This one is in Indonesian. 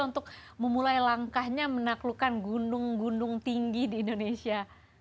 untuk memulai langkahnya menaklukkan gunung gunung tinggi di indonesia